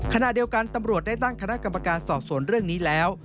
ขณะเดียวกันตำรวจได้ตั้งคณะกรรมการสอบสวนเรื่องนี้แล้ว